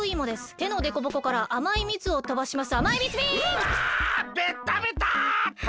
てのでこぼこからあまいみつをとばします。